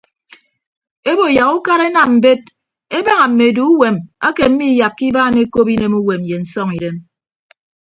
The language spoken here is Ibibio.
Ebo yak ukara enam mbet ebaña mme eduuwem ake miiyakka ibaan ekop inemuwem ye nsọñidem.